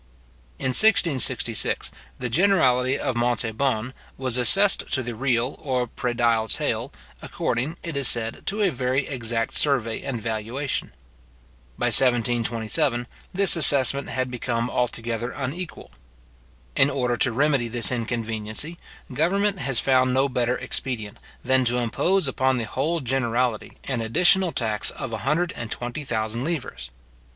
In 1666, the generality of Montauban was assessed to the real or predial taille, according, it is said, to a very exact survey and valuation. {Memoires concernant les Droits, etc. tom. ii p. 139, etc.} By 1727, this assessment had become altogether unequal. In order to remedy this inconveniency, government has found no better expedient, than to impose upon the whole generality an additional tax of a hundred and twenty thousand livres.